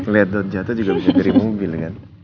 liat jatuh juga bisa di mobil kan